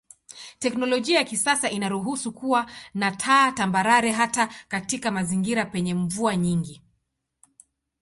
Teknolojia ya kisasa inaruhusu kuwa na taa tambarare hata katika mazingira penye mvua nyingi.